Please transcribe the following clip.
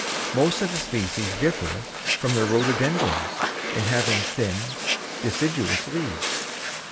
Most of the species differ from the rhododendrons in having thin, deciduous leaves.